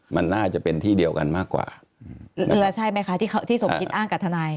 มันน่าจะเป็นที่เดียวกันมากกว่าเออใช่ไหมคะที่ที่สมคิดอ้างกับทนาย